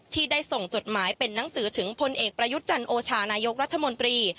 ที่ได้ส่งจดหมายเป็นนังสือถึงพลเอกประยุทธ์จันโอชานายกรัฐมนตรี